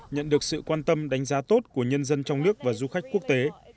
nhận được sự quan tâm đánh giá tốt của nhân dân trong nước và du khách quốc tế